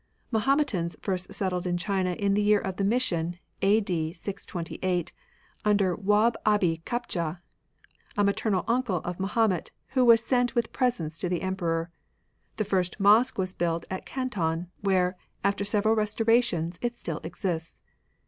Mahometans first settled in China in the year of the Mission, a.d. 628, under Wahb Abi Kabcha^ a maternal imcle of Mahomet, who was sent with presents to the Emperor. The first mosque was built at Canton, where, after several restorations, it still exists.